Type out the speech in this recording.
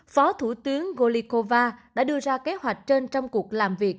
phó thủ tướng golikova đã đưa ra kế hoạch trên trong cuộc làm việc